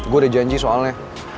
gue udah janji soalnya